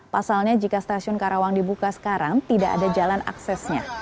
pasalnya jika stasiun karawang dibuka sekarang tidak ada jalan aksesnya